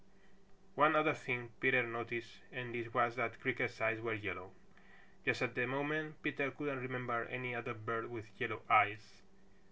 One other thing Peter noticed and this was that Creaker's eyes were yellow. Just at the moment Peter couldn't remember any other bird with yellow eyes.